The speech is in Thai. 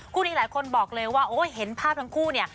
คู่นี้หลายคนบอกเลยว่าโอ้ยเห็นภาพทั้งคู่เนี่ย